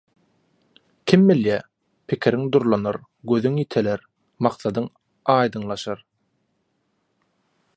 Kim bilýär, pikiriň durlanar, gözüň ýiteler, maksadyň aýdyňlaşar.